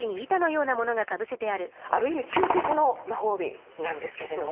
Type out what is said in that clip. ある意味究極の魔法瓶なんですけれども。